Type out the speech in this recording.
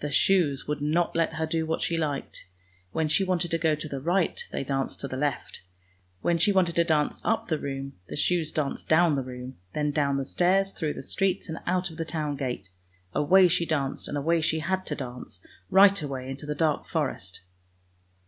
The shoes would not let her do what she liked: when she wanted to go to the right, they danced to the left: when she wanted to dance up the room, the shoes danced down the room, then down the stairs, through the streets and out of the town gate. Away she danced, and away she had to dance, right away into the dark forest.